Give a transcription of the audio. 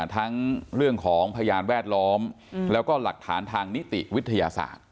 ทั้งเรื่องของพยานแวดล้อมแล้วก็หลักฐานทางนิติวิทยาศาสตร์